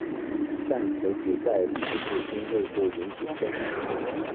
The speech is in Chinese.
但此举在自治军内部引起争议。